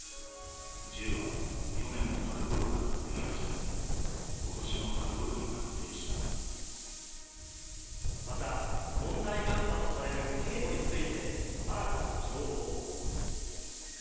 銃は去年の春ごろから作り始め、また、問題があったとされる警護について、新たな情報も。